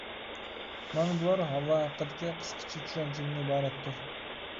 مانا بۇلار ھاۋا ھەققىدىكى قىسقىچە چۈشەنچىدىن ئىبارەتتۇر.